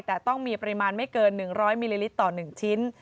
แต่ต้องมีปริมาณไม่เกิน๑๐๐มิลลิลิตรต่อ๑ชิ้น